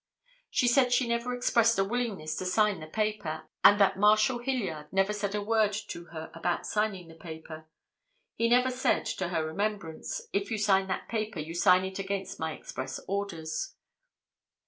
She said she never expressed a willingness to sign the paper, and that Marshal Hilliard never said a word to her about signing the paper; he never said, to her remembrance, "If you sign that paper you sign it against my express orders."